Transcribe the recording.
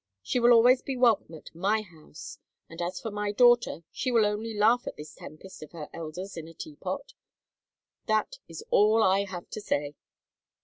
She will always be welcome in my house; and as for my daughter, she will only laugh at this tempest of her elders in a tea pot. That is all I have to say."